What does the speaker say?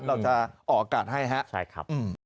เราจะออกอากาศให้ครับ